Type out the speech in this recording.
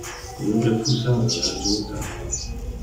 Io refusava le adjuta.